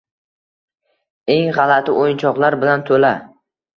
eng g‘alati o‘yinchoqlar bilan to‘la.